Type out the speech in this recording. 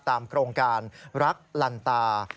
โครงการรักลันตา